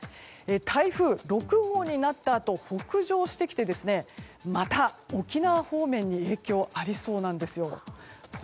台風６号になったあと北上してきてまた沖縄方面に影響がありそうなんです。